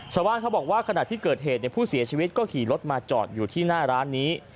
ชาวบ้านเขาบอกว่าขณะที่เกิดเหตุผู้เสียชีวิตก็ขี่รถมาจอดอยู่ที่หน้าร้านนี้